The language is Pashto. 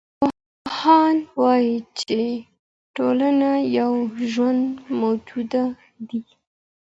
پوهان وايي چي ټولنه یو ژوندی موجود دی.